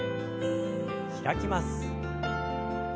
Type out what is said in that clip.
開きます。